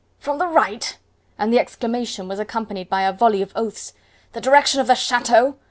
"From the right?" and the exclamation was accompanied by a volley of oaths; "the direction of the chateau?